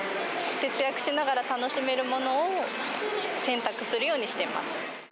節約しながら楽しめるものを選択するようにしてます。